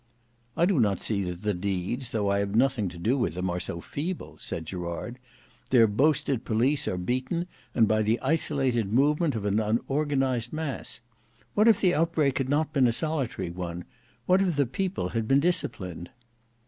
"I do not see that the deeds, though I have nothing to do with them, are so feeble," said Gerard; "their boasted police are beaten, and by the isolated movement of an unorganized mass. What if the outbreak had not been a solitary one? What if the people had been disciplined?"